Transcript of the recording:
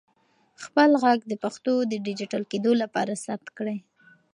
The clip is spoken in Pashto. خپل ږغ د پښتو د ډیجیټل کېدو لپاره ثبت کړئ.